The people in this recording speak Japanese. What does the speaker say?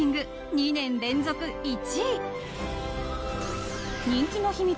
２年連続１位］